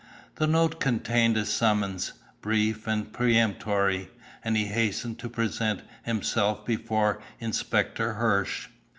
The note contained a summons, brief and peremptory, and he hastened to present himself before Inspector Hirsch.